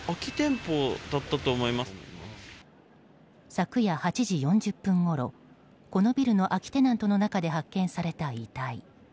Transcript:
昨夜８時４０分ごろこのビルの空きテナントの中で発見された遺体。